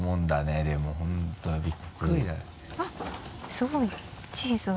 すごいチーズが。